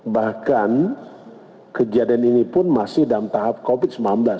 bahkan kejadian ini pun masih dalam tahap covid sembilan belas dua ribu dua puluh dua ribu dua puluh dua